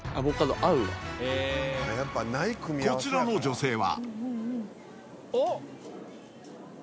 こちらの女性は。